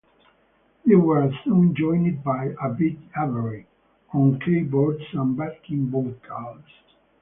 They were soon joined by Avette Avery on keyboards and backing vocals.